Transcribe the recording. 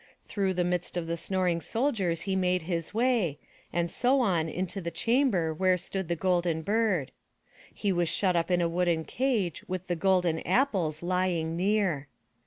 Through the midst of the snoring soldiers he made his way, and so on into the chamber where stood the Golden Bird. He was shut up in a wooden cage with the golden apples lying near.